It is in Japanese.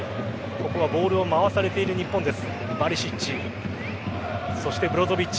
ここはボールを回されている日本です。